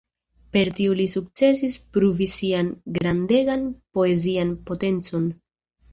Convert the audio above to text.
Per tio li sukcesis pruvi sian grandegan poezian potencon.